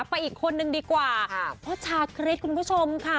ไปอีกคนนึงดีกว่าพ่อชาคริสคุณผู้ชมค่ะ